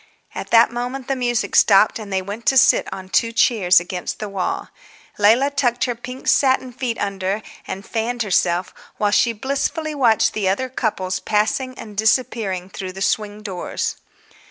At that moment the music stopped, and they went to sit on two chairs against the wall. Leila tucked her pink satin feet under and fanned herself, while she blissfully watched the other couples passing and disappearing through the swing doors.